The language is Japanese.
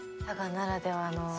佐賀ならではの。